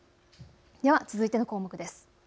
では続いての項目です。